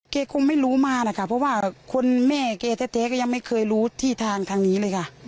คงไม่รู้มานะคะเพราะว่าคนแม่แกแท้ก็ยังไม่เคยรู้ที่ทางทางนี้เลยค่ะ